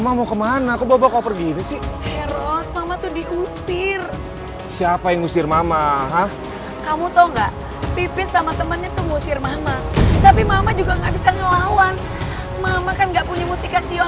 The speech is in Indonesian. mama kan gak punya musikasi lagi ya ros